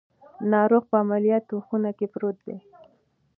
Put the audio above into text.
ناروغ په عملیاتو خونه کې پروت دی.